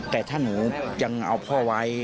แต่ถ้าหนูยังเอาพ่อไว้